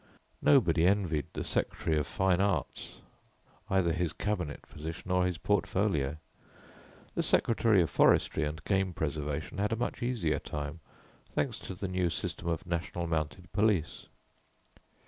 Nobody envied the Secretary of Fine Arts, either his cabinet position or his portfolio. The Secretary of Forestry and Game Preservation had a much easier time, thanks to the new system of National Mounted Police.